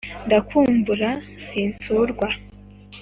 ndakumbura sinsurwa